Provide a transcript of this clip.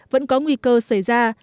vẫn có nguy cơ xảy ra